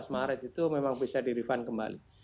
dua belas maret itu memang bisa di refund kembali